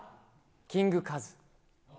キングカズ。